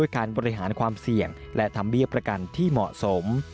การบริหารความเสี่ยงและทำเบี้ยประกันที่เหมาะสม